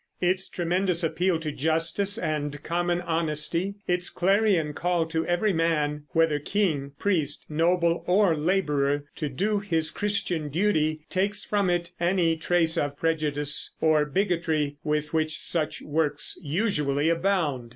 Its tremendous appeal to justice and common honesty, its clarion call to every man, whether king, priest, noble, or laborer, to do his Christian duty, takes from it any trace of prejudice or bigotry with which such works usually abound.